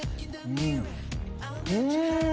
うん！